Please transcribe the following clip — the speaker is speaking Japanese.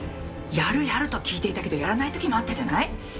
やるやると聞いていたけどやらない時もあったじゃない？